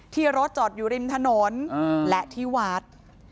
ที่รถจอดอยู่ริมถนนและที่วัด